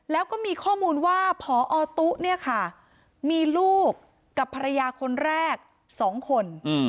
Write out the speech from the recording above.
แล้วก็มีข้อมูลว่าพอตุ๊เนี่ยค่ะมีลูกกับภรรยาคนแรก๒คน